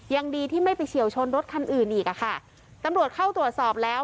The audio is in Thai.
ยังดีที่ไม่ไปเฉียวชนรถคันอื่นอีกอ่ะค่ะตำรวจเข้าตรวจสอบแล้ว